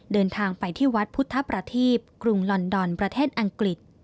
เดินทางไปที่วัดพุทธประทีปกรุงลอนดอนประเทศอังกฤษ